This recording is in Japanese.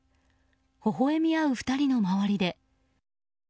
ほほえみ合う２人の周りで。